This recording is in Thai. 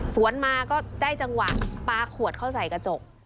สวนมาก็ได้จังหวะปลาขวดเข้าใส่กระจก